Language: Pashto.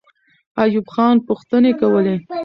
ایوب خان پوښتنې کولې.